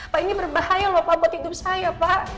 pak ini berbahaya loh pak buat hidup saya pak